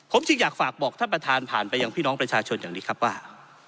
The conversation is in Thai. ผมจึงอยากฝากบอกท่านประธานผ่านไปยังพี่น้องประชาชนอย่างนี้ครับว่า